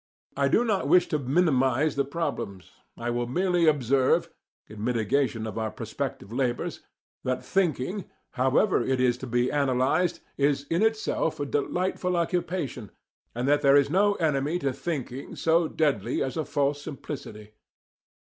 I do not wish to minimize the problems. I will merely observe, in mitigation of our prospective labours, that thinking, however it is to be analysed, is in itself a delightful occupation, and that there is no enemy to thinking so deadly as a false simplicity.